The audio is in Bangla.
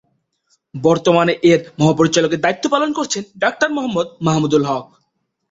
বর্তমানে এর মহাপরিচালকের দায়িত্ব পালন করছেন ডাক্তার মোহাম্মদ মাহমুদুল হক।